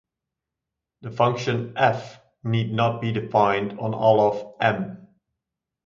The function "f" need not be defined on all of "M".